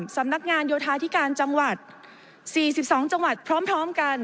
สำนักงานโยธาธิการจังหวัดสี่สิบสองจังหวัดพร้อมพร้อมกัน